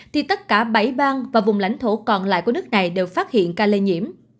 thì tất cả bảy bang và vùng lãnh thổ còn lại của nước này đều phát hiện ca lây nhiễm